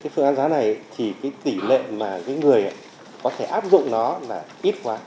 phương án giá này thì tỷ lệ mà những người có thể áp dụng nó là ít quá